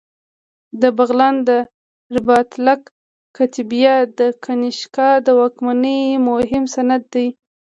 د بغلان د رباطک کتیبه د کنیشکا د واکمنۍ مهم سند دی